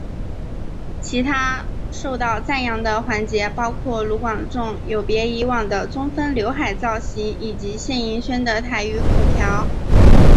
其他受到赞扬的环节包括卢广仲有别以往的中分浏海造型以及谢盈萱的台语口条。